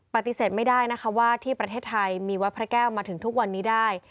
ปฏิเสธไม่ได้นะคะว่าที่ประเทศไทยมีวัดพระแก้วมาถึงทุกวันนี้ได้